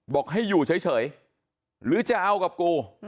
บอกให้อยู่เฉยหรือจะเอากับกู